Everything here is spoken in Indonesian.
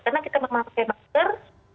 karena kita memakai masker